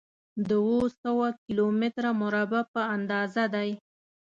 د اووه سوه کيلو متره مربع په اندازه دی.